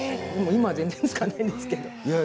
今は全然つかないんですけど。